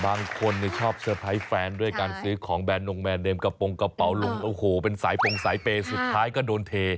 บางคนชอบเตอร์ไพรส์แฟนด้วยการซื้อของแนนงแนนเมมกระโปรงกระเป๋าลงโอ้โหเป็นสายปงสายเปย์สุดท้ายก็โดนเท